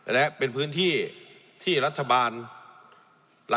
และเป็นพื้นที่ที่รัฐบาล